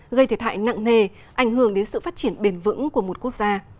gây thể thại nặng nề ảnh hưởng đến sự phát triển bền vững của một quốc gia